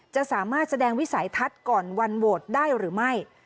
จะสามารถแสดงวิสัยทัศน์ก่อนวันโหวตได้หรือไม่